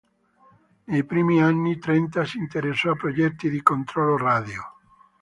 Nei primi anni Trenta si interessò a progetti di controllo radio.